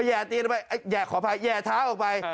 แหย่ตีนออกไปแหย่ขอโภญแหย่ท้าออกไป